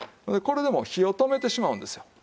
これでもう火を止めてしまうんですよ。